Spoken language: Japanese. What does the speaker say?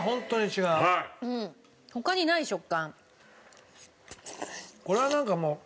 他にない食感。